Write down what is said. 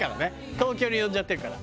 東京に呼んじゃってるから。